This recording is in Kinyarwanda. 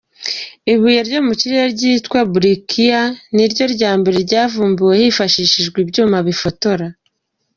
Ibuye ryo mu kirere ryitwa Brucia niryo rya mbere ryavumbuwe hifashishijwe ibyuma bifotora.